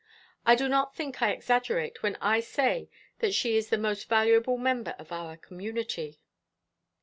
I do not think I exaggerate when I say that she is the most valuable member of our community."